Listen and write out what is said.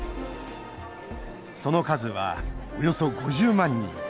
その数は、およそ５０万人。